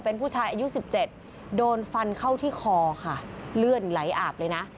เป็นผู้ชายอายุ๑๗โดนฟันเข้าที่คอค่ะเลือดไหลอาบเลยนะ